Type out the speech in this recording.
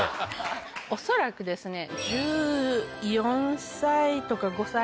恐らくですね。